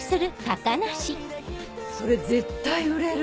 それ絶対売れる！